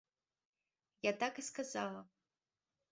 Я так і сказала.